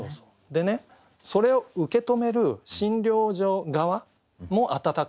でねそれを受け止める診療所側も温かいなと。